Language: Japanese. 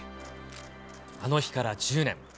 あの日から１０年。